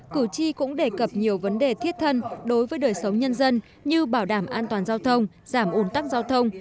cử tri cũng đề cập nhiều vấn đề thiết thân đối với đời sống nhân dân như bảo đảm an toàn giao thông giảm ồn tắc giao thông